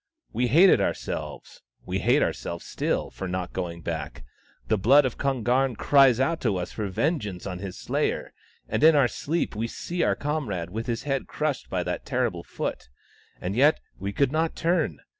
We hated ourselves — we hate ourselves still — for not going back. The blood of Kon garn cries out to us for vengeance on his slayer, and in our sleep we see our comrade, with his head crushed by that terrible foot. And yet we could not turn.